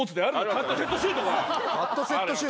カットセットシュート？